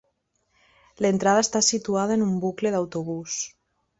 L'entrada està situada en un bucle d'autobús.